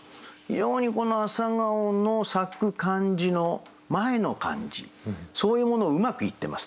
非常にこの朝顔の咲く感じの前の感じそういうものをうまく言ってますね。